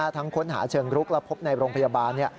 ค้นหาเชิงรุกและพบในโรงพยาบาล